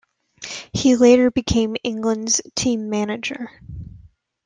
He later became England's team manager.